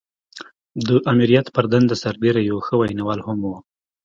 د آمريت پر دنده سربېره يو ښه ويناوال هم و.